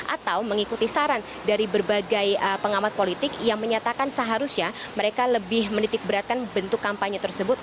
atau mengikuti saran dari berbagai pengamat politik yang menyatakan seharusnya mereka lebih menitik beratkan bentuk kampanye tersebut